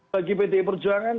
bagi pdi perjuangan